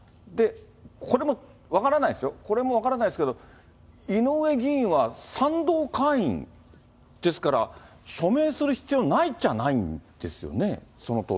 これも分からないですよ、これも分からないですけれども、井上議員は賛同会員ですから署名する必要ないっちゃないんですよ